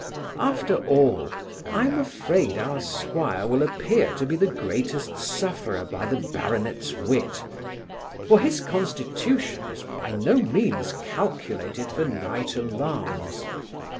After all, I am afraid our squire will appear to be the greatest sufferer by the baronet's wit; for his constitution is by no means calculated for night alarms.